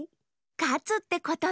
かつってことね！